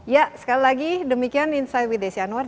ya sekali lagi demikian insight with desi anwar